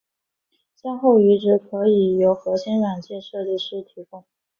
向后移植可以由核心软件设计师提供。